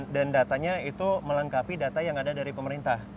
dan ini bisa melengkapi data yang ada dari pemerintah